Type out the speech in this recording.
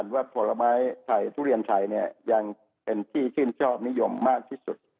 ว่าผลไม้ทุเรียนไทยยังเป็นที่ขึ้นชอบนิยมมากที่สุด